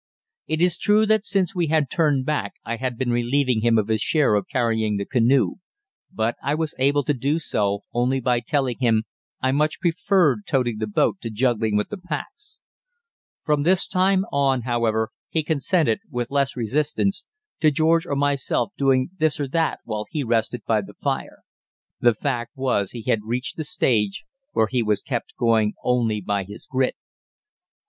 It is true that since we had turned back I had been relieving him of his share of carrying the canoe, but I was able to do so only by telling him I much preferred toting the boat to juggling with the packs. From this time on, however, he consented, with less resistance, to George or myself doing this or that while he rested by the fire. The fact was he had reached the stage where he was kept going only by his grit.